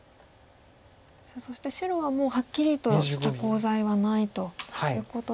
さあそして白はもうはっきりとしたコウ材はないということで。